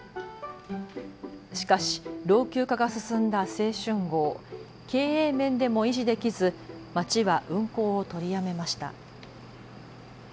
しかし老朽化が進んだ青春号、経営面でも維持できず町は運行を取りやめました。